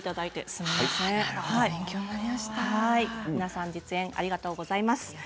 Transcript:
皆さん、実演ありがとうございます。